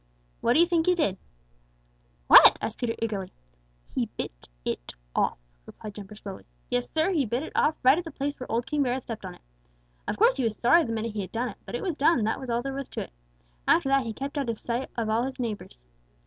What do you think he did?" "What?" asked Peter eagerly. "He bit it off," replied Jumper slowly. "Yes, Sir, he bit it off right at the place where old King Bear had stepped on it. Of course he was sorry the minute he had done it, but it was done, and that was all there was to it. After that he kept out of sight of all his neighbors.